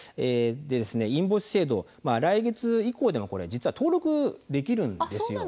インボイス制度、来月以降でも実は登録できるんです。